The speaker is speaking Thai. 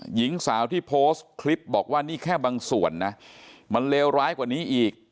หญิงสาวที่โพสต์คลิปบอกว่านี่แค่บางส่วนนะมันเลวร้ายกว่านี้อีก